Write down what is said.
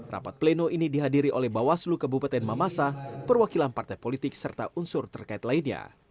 rapat pleno ini dihadiri oleh bawaslu kabupaten mamasa perwakilan partai politik serta unsur terkait lainnya